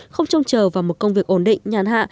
không trông chờ vào một công việc ổn định nhàn hạ